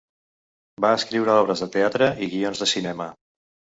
Va escriure obres de teatre i guions de cinema.